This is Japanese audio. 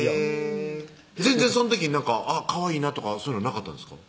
へぇ全然その時かわいいなとかそういうのなかったんですか？